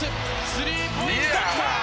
スリーポイントきたー！